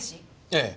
ええ。